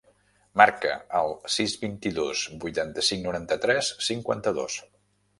Marca el sis, vint-i-dos, vuitanta-cinc, noranta-tres, cinquanta-dos.